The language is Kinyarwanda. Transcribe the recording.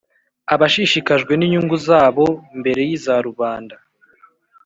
abashishikajwe n' inyungu zabo mbere y' iza rubanda